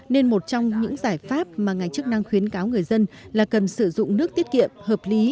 nên một trong những giải pháp mà ngành chức năng khuyến cáo người dân là cần sử dụng nước tiết kiệm hợp lý